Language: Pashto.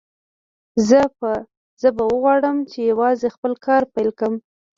زه به وغواړم چې یوازې خپل کار پیل کړم